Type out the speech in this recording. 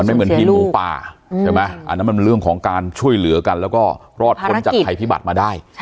มันไม่เหมือนบินหรือปลาใช่ไหมอันนั้นมันเรื่องของการช่วยเหลือกันแล้วก็รอดคนจากไทยพิบัตรมาได้